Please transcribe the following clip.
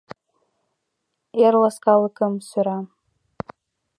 Эр ласкалыкым сӧра.